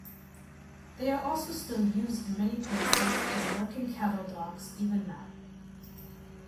They are also still used in many places as working cattle dogs even now.